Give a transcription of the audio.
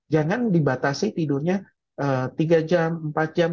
jangan dibatasi tidurnya tiga jam empat jam